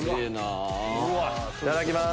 いただきます。